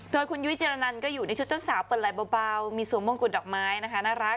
โดยคุณยุ้ยเจรนันก็อยู่ในชุดเจ้าสาวเปิดไหล่เบามีสวมมงกุฎดอกไม้นะคะน่ารัก